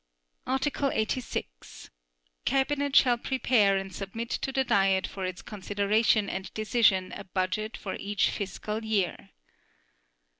Article 86. Cabinet shall prepare and submit to the Diet for its consideration and decision a budget for each fiscal year.